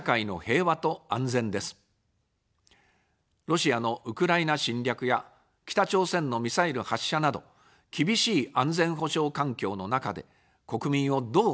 ロシアのウクライナ侵略や北朝鮮のミサイル発射など、厳しい安全保障環境の中で、国民をどう守り抜くか。